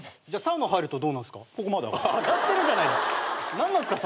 何なんすか？